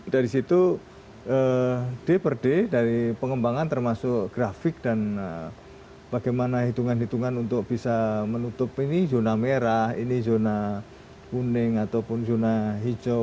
dari situ d per d dari pengembangan termasuk grafik dan bagaimana hitungan hitungan untuk bisa menutup ini zona merah ini zona kuning ataupun zona hijau